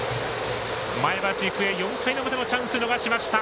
前橋育英、４回の表もチャンス逃しました。